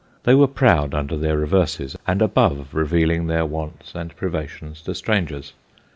They were proud under their reverses, and above revealing their wants and privations to strangers.